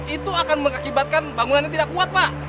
itu akan mengakibatkan bangunan yang tidak kuat pak